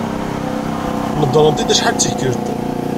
Nedṛen-t-id acḥal d tikelt.